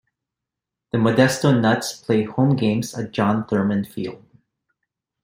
The Modesto Nuts play home games at John Thurman Field.